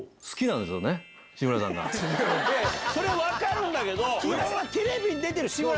それは分かるんだけど基本は。